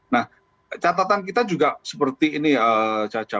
nah catatan kita juga seperti ini caca